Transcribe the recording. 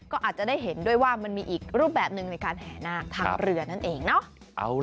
ก็อาจจะได้เห็นด้วยว่ามันมีอีกรูปแบบหนึ่งในการแห่นาคทางเรือนั่นเองเนาะ